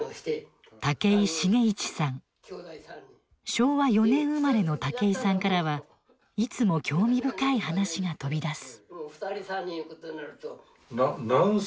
昭和４年生まれの竹井さんからはいつも興味深い話が飛び出す。